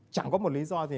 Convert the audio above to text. chẳng có một lý do gì